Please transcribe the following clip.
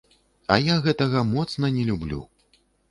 А я гэтага моцна не люблю.